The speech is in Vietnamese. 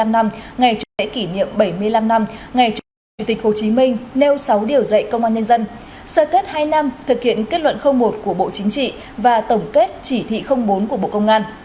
bảy mươi năm năm ngày chủ tịch hồ chí minh nêu sáu điều dạy công an nhân dân sơ kết hai năm thực hiện kết luận một của bộ chính trị và tổng kết chỉ thị bốn của bộ công an